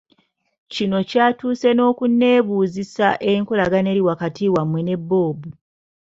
Kino ky’atuuse n’okunneebuuzisa enkolagana eri wakati wammwe ne Bob.